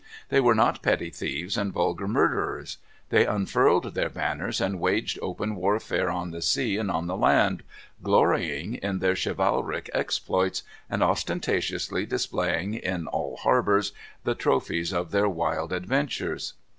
They were not petty thieves and vulgar murderers. They unfurled their banners and waged open warfare on the sea and on the land, glorying in their chivalric exploits, and ostentatiously displaying, in all harbors, the trophies of their wild adventures.